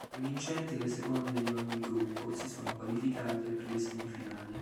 Le vincenti e le seconde di ogni gruppo si sono qualificate per le semifinali.